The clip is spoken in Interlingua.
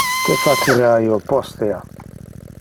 Que facera io postea?